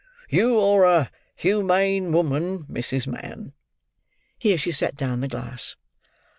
You are a humane woman, Mrs. Mann." (Here she set down the glass.)